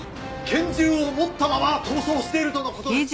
拳銃を持ったまま逃走しているとの事です！